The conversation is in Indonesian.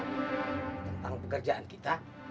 tentang pekerjaan kita